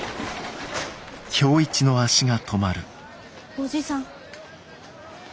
おじさん。